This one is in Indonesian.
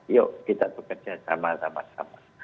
yuk kita bekerja sama sama